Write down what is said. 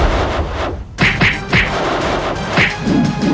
neng mau ke temen temen kita